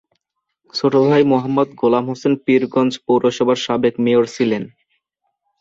ছোট ভাই মোহাম্মদ গোলাম হোসেন পীরগঞ্জ পৌরসভার সাবেক মেয়র ছিলেন।